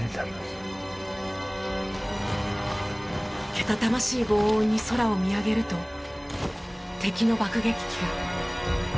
けたたましい轟音に空を見上げると敵の爆撃機が。